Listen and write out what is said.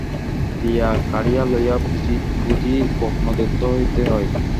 দিয়া কাড়িয়া লইলে বুঝি ব্রহ্মদৈত্য হইতে হয়?